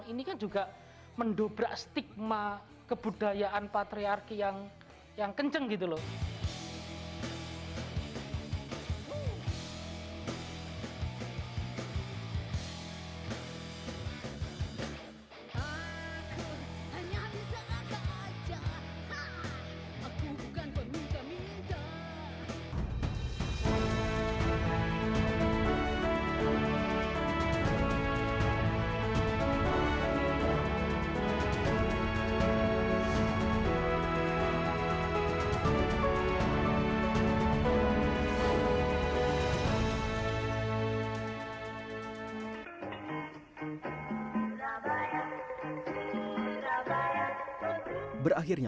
ini kan juga mendobrak stigma kebudayaan patriarki yang kenceng gitu loh